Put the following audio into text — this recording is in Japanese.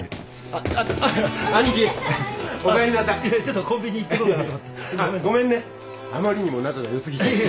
あまりにも仲が良過ぎちゃって。